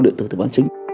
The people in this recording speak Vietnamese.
địa tử từ bản chính